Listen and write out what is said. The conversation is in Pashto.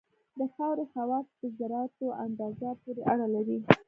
د خاورې خواص په ذراتو اندازه پورې اړه لري